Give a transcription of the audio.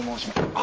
あ！